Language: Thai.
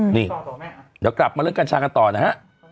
นี่เดี๋ยวกลับมาเรื่องกัญชากันต่อนะฮะ